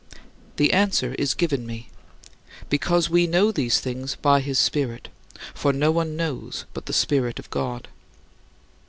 The answer is given me: "Because we know these things by his Spirit; for no one knows but the Spirit of God."